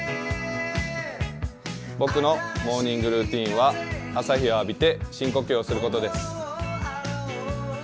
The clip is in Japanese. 僕のモーニングルーチンは朝日を浴びて深呼吸をすることです。